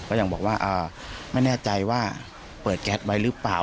ก็ยังบอกว่าไม่แน่ใจว่าเปิดแก๊สไว้หรือเปล่า